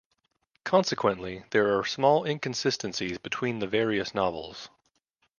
Consequently, there are small inconsistencies between the various novels.